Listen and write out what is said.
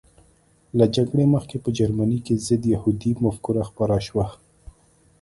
له جګړې مخکې په جرمني کې ضد یهودي مفکوره خپره شوه